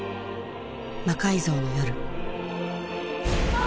「魔改造の夜」